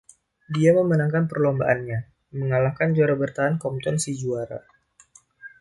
Dia memenangkan perlombaannya, mengalahkan juara bertahan Compton si Juara.